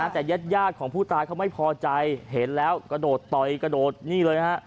แต่ญาติของผู้ตายเขาไม่พอใจเห็นแล้วกระโดดต่อยกระโดดนี่เลยฮะ